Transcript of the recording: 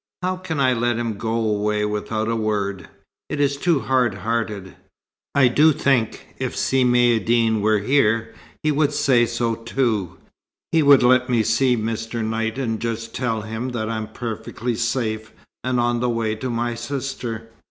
How can I let him go away without a word? It is too hard hearted. I do think, if Si Maïeddine were here, he would say so too. He would let me see Mr. Knight and just tell him that I'm perfectly safe and on the way to my sister.